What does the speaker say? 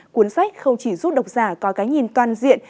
cuốn sách không chỉ giúp độc giả có cái nhìn toàn diện